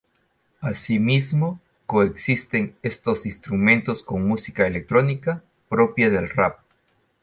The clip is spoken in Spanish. Así mismo coexisten estos instrumentos con música electrónica propia del rap.